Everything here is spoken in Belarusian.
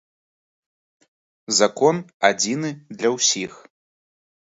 Закон адзіны для ўсіх.